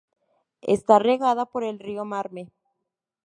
Está regada por el río Marne.